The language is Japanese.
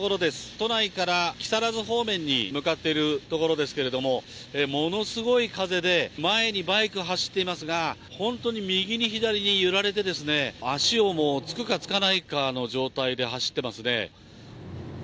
都内から木更津方面に向かっているところですけれども、ものすごい風で、前にバイク走っていますが、本当に右に左に揺られて、足をもう、つくかつかないかの状態で走ってますね。